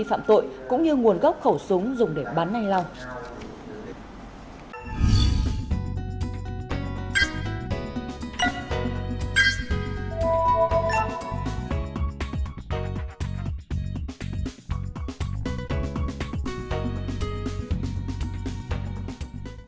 điệp cũng đã khai nhận toàn bộ hành vi phạm tội cũng như nguồn gốc khẩu súng dùng để bắn anh long